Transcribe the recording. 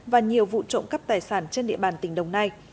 và nhiều vụ trộm cắp tài sản trên địa bàn tỉnh đồng nai